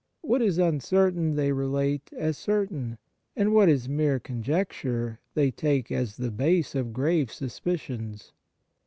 What is uncertain they relate as certain, and what is mere conjecture they take as the base of grave suspicions.